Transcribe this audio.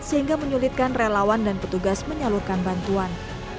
sehingga menyulitkan relawan dan petugas menyalurkan bantuan